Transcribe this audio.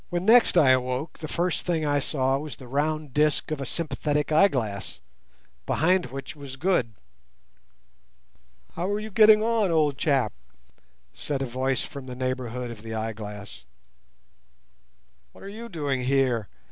When next I awoke the first thing I saw was the round disc of a sympathetic eyeglass, behind which was Good. "How are you getting on, old chap?" said a voice from the neighbourhood of the eyeglass. "What are you doing here?"